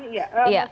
tetap di merah iya